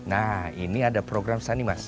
nah ini ada program sanimas